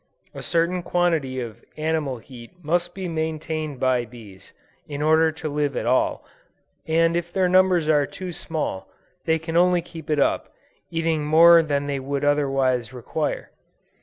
A certain quantity of animal heat must be maintained by bees, in order to live at all, and if their numbers are too small, they can only keep it up, by eating more than they would otherwise require.